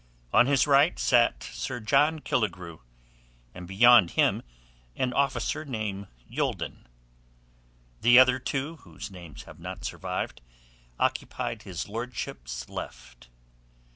On his right sat Sir John Killigrew, and beyond him an officer named Youldon. The other two, whose names have not survived, occupied his lordship's left.